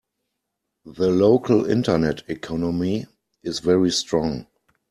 The local internet economy is very strong.